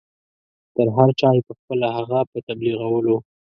تر هر چا یې پخپله هغه په تبلیغولو.